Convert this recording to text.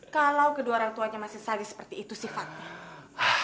kalau kedua orang tuanya masih sadar seperti itu sifatnya